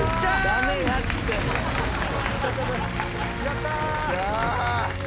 やった。